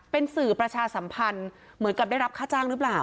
เป็นสื่อประชาสัมพันธ์เหมือนกับได้รับค่าจ้างหรือเปล่า